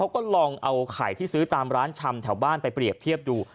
ก็ลองเอาไข่ที่ซื้อตามร้านชำแถวบ้านไปเปรียบเทียบดู